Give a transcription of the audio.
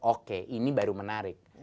oke ini baru menarik